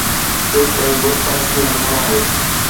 شرڪ ۽ بت پرستي حرام آهي